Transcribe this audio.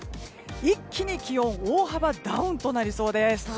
一気に気温大幅ダウンとなりそうです。